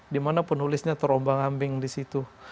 dimana penulisnya terombang ambing disitu